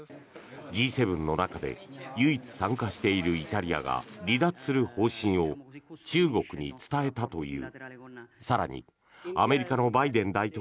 Ｇ７の中で唯一参加しているイタリアが離脱する方針を中国に伝えたという。